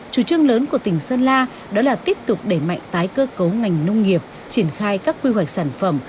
chủ trương lớn của tỉnh sơn la đó là tiếp tục đẩy mạnh tái cơ cấu ngành nông nghiệp triển khai các quy hoạch sản phẩm